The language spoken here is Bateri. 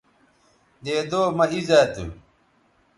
دیدو مہ اِیزا تھو